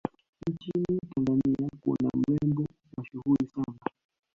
nchini tanzania kuna mrembo mashuhuli sana